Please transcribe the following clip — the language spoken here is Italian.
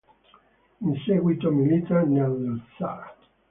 In seguito milita nel Luzzara.